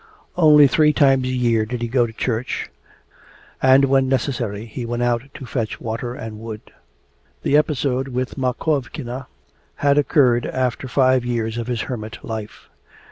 Only three times a year did he go out to church, and when necessary he went out to fetch water and wood. The episode with Makovkina had occurred after five years of his hermit life.